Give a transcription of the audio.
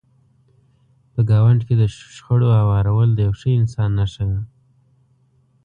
په ګاونډ کې د شخړو هوارول د یو ښه انسان نښه ده.